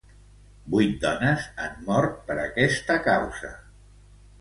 Vuit dones han mort per aquesta causa.